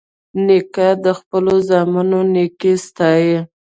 نیکه د خپلو زامنو نیکي ستايي.